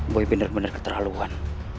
boy bener bener keterlaluan